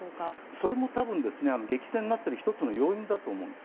それも多分激戦になっている１つの要因だと思います。